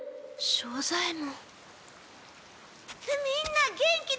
庄左ヱ門！？